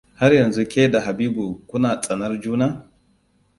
Har yanzu ke da Habibu kuna tsanar juna?